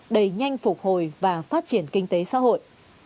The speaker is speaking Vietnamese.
đầy nhanh phục hồi và phát triển kinh tế xã hội